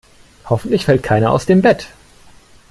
Hoffentlich fällt keiner aus dem Bett.